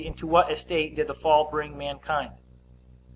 Into what estate did the fall bring mankind?